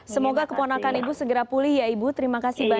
semoga keponakan ibu segera pulih ya ibu terima kasih banyak